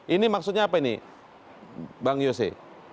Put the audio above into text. ini maksudnya apa ini bang yose